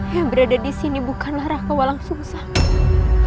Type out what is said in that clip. yang berada di sini bukanlah raka walang sungsang